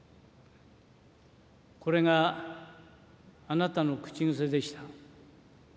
これがあなたの口癖でした。